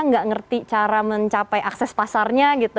nggak ngerti cara mencapai akses pasarnya gitu